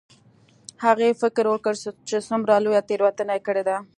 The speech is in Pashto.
هغې فکر وکړ چې څومره لویه تیروتنه یې کړې ده